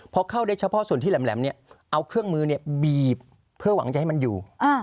พอเข้าได้เฉพาะส่วนที่แหลมเนี่ยเอาเครื่องมือบีบเพื่อหวังจะให้มันอยู่